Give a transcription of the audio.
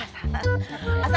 kayak panduan suara